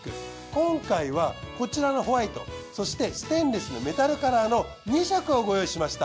今回はこちらのホワイトそしてステンレスのメタルカラーの２色をご用意しました。